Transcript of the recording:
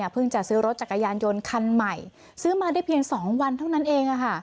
จะซื้อรถจักรยานยนต์คันใหม่ซื้อมาได้เพียง๒วันเท่านั้นเอง